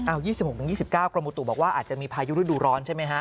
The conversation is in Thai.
๒๖๒๙กรมอุตุบอกว่าอาจจะมีพายุฤดูร้อนใช่ไหมฮะ